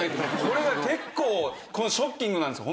これが結構ショッキングなんですよ。